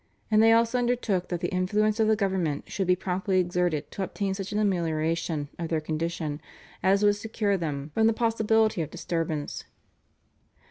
and they also undertook that the influence of the government should be promptly exerted to obtain such an amelioration of their condition as would secure them from the possibility of disturbance.